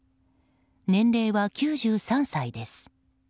年齢は９３歳です。